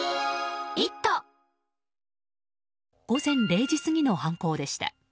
午前０時過ぎの犯行でした。